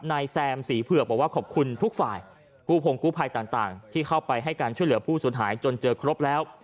แซมศรีเผือกบอกว่าขอบคุณทุกฝ่ายกู้พงกู้ภัยต่างที่เข้าไปให้การช่วยเหลือผู้สูญหายจนเจอครบแล้ว